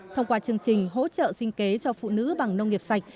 thông qua chương trình hỗ trợ sinh kế cho phụ nữ bằng nông nghiệp sạch